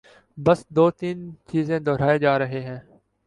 بس دو تین چیزیں دہرائے جا رہے ہیں۔